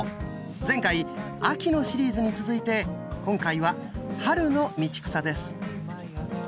前回秋のシリーズに続いて今回は春の道草です。